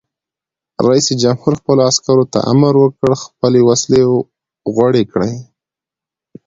رئیس جمهور خپلو عسکرو ته امر وکړ؛ خپلې وسلې غوړې کړئ!